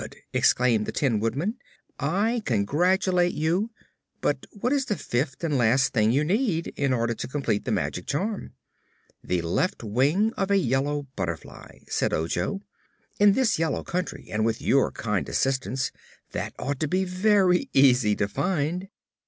exclaimed the Tin Woodman; "I congratulate you. But what is the fifth and last thing you need, in order to complete the magic charm?" "The left wing of a yellow butterfly," said Ojo. "In this yellow country, and with your kind assistance, that ought to be very easy to find."